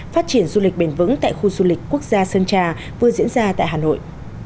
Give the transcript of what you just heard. phát triển du lịch bền vững tại khu du lịch quốc gia sơn trà vừa diễn ra tại hà nội